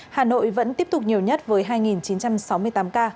hà nội vẫn tiếp tục nhiều nhất với hai chín trăm sáu mươi tám ca